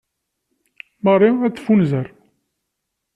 Marie ad teffunzer.